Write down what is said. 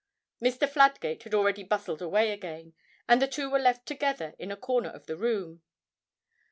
Mr. Fladgate had already bustled away again, and the two were left together in a corner of the room.